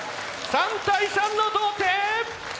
３対３の同点。